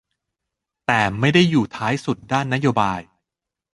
แต่ไม่ได้อยู่ท้ายสุดด้านนโยบาย